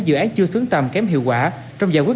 dự án chưa xứng tầm kém hiệu quả trong giải quyết